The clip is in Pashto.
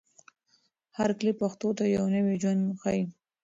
هر کلیپ پښتو ته یو نوی ژوند بښي.